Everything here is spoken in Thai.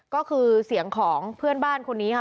ก็คือเสียงของเพื่อนบ้านคนนี้ค่ะ